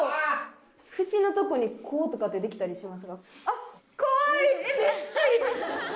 縁のとこにこうとかってできたりしますか？